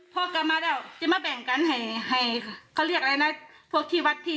พอกลับมาแล้วจะมาแบ่งกันให้ให้เขาเรียกอะไรนะพวกที่วัดที่